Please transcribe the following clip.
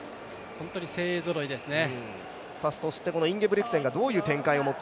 本当にせいぞろいですね。